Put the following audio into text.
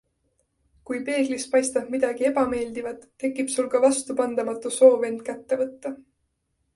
Kui peeglist paistab midagi ebameeldivat, tekib sul ka vastupandamatu soov end kätte võtta.